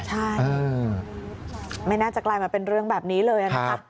ใช่ไม่น่าจะกลายมาเป็นเรื่องแบบนี้เลยนะคะ